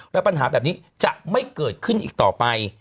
และปัญหาแบบนี้จะไม่เกิดขึ้นอีกต่อไป